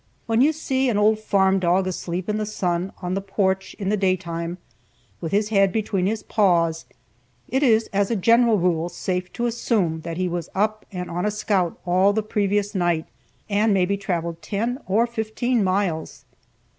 When you see an old farm dog asleep in the sun on the porch in the day time, with his head between his paws, it is, as a general rule, safe to assume that he was up and on a scout all the previous night, and maybe traveled ten or fifteen miles.